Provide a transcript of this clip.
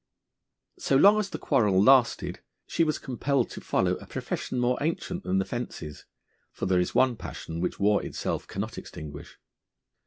So long as the quarrel lasted, she was compelled to follow a profession more ancient than the fence's; for there is one passion which war itself cannot extinguish.